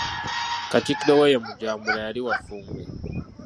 Katikkiro we ye Mujambula yali wa Ffumbe.